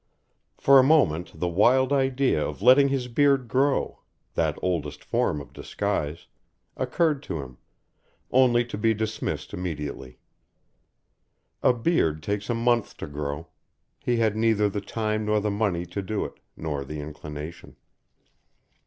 For a moment the wild idea of letting his beard grow that oldest form of disguise occurred to him, only to be dismissed immediately. A beard takes a month to grow, he had neither the time nor the money to do it, nor the inclination.